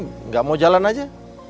enggak mau jalan aja